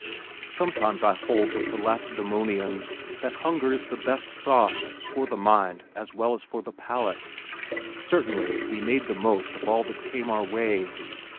Sometimes I hold with the Lacedemonians that "hunger is the best sauce" for the mind as well as for the palate. Certainly we made the most of all that came our way.